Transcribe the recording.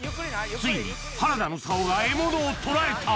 ついに原田の竿が獲物を捕らえた！